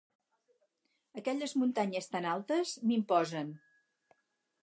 Aquelles muntanyes tan altes m'imposen.